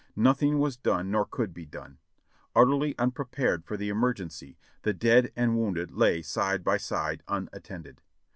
Nothing was done nor could be done. Utterly unprepared for the emergency, the dead and wounded lay side by side unattended.